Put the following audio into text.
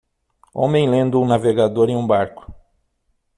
homem lendo um navegador em um barco.